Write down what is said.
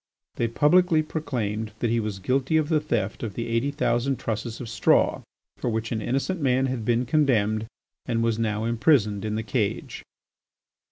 They publicly proclaimed that he was guilty of the theft of the eighty thousand trusses of straw for which an innocent man had been condemned and was now imprisoned in the cage.